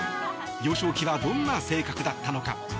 幼少期はどんな性格だったのか